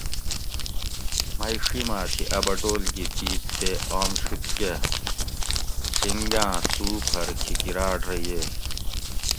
مئ ڛی ما تھی اۤ بٹول گھی دیت تے آمشوتکہ شنگاں تو پھر کھیکیراٹ رہ ییئ